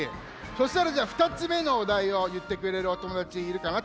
そしたらじゃあ２つめのおだいをいってくれるおともだちいるかな？